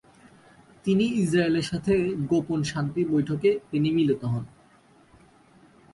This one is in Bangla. তিনি ইসরায়েলের সাথে গোপন শান্তি বৈঠকে তিনি মিলিত হন।